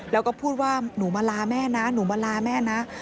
แล้วก็พูดว่าหนูมาลาแม่นะหนูมาลาแม่นะ